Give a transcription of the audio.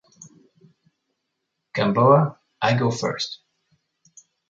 Gamboa, I go first.